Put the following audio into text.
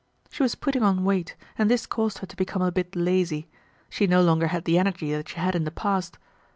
She was putting on weight and this caused her to become a bit lazy. She no longer had the energy that she had in the past.